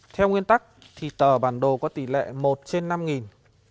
theo nguyên tắc thì tờ bản đồ có tỷ lệ một trên năm